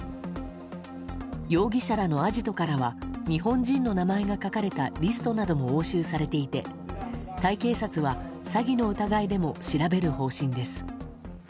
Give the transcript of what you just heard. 容疑者らのアジトからは日本人の名前が書かれたリストなども押収されていてタイ警察は、詐欺の疑いでも調べる方針です。